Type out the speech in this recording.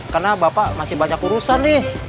karena bapak masih banyak urusan nih